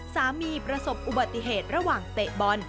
ประสบอุบัติเหตุระหว่างเตะบอล